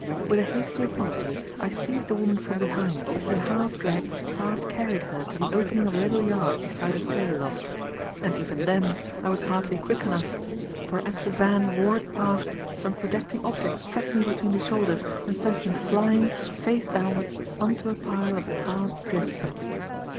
With a hasty apology, I seized the woman from behind and half dragged, half carried her to the opening of a little yard beside a sail loft. And even then, I was hardly quick enough, for as the van roared past some projecting object struck me between the shoulders and sent me flying, face downwards, on to a pile of tarred drift net.